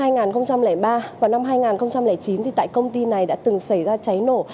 năm hai nghìn ba và năm hai nghìn chín thì tại công ty này đã từng xảy ra cháy nổ